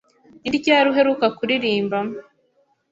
Ni ryari uheruka kuririmba?